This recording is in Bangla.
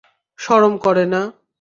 শরম করে না?